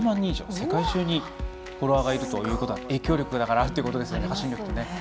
世界中にフォロワーがいるということは影響力があるということですね。